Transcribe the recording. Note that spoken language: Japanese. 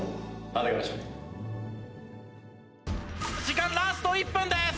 時間ラスト１分です。